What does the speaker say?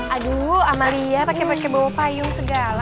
aduh amalia pake pake bawa payung segala